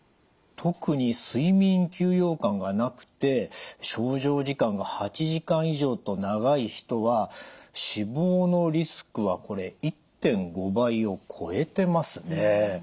特に睡眠休養感がなくて床上時間が８時間以上と長い人は死亡のリスクはこれ１．５倍を超えてますね。